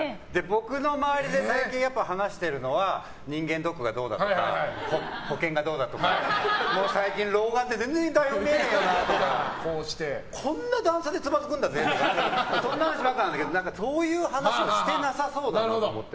僕の周りで最近話してるのは人間ドックがどうだとか保険だどうだとか最近、老眼で全然台本が見えないよなとかこんな段差でつまずくんだぜとかそんな話ばかりなんだけどそういう話をしてなさそうだなと思って。